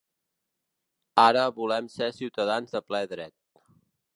Ara volem ser ciutadans de ple dret.